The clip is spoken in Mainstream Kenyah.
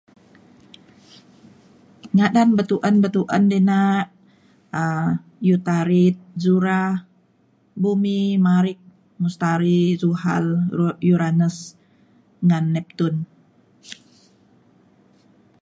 ngadan bituen bituen dina um Utarit Zuhra Bumi Mari Mustari Zulhal Uranus ngan Neptun